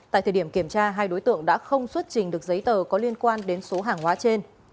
tại thời điểm kiểm tra hai đối tượng đã không xuất trình được giấy tờ có liên quan đến số hàng hóa trên